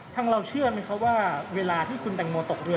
เราเชื่อไหมคะว่าเวลาที่คุณแตงโมตกเรือ